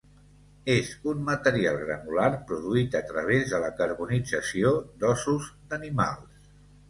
És un material granular produït a través de la carbonització d'ossos d'animals.